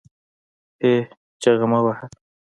هې ! چیغې مه واهه